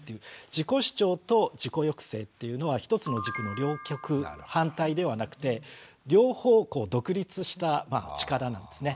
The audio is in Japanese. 自己主張と自己抑制っていうのは一つの軸の両極反対ではなくて両方独立した力なんですね。